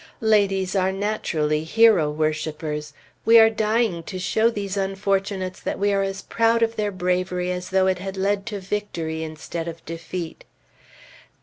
Ladies are naturally hero worshipers. We are dying to show these unfortunates that we are as proud of their bravery as though it had led to victory instead of defeat.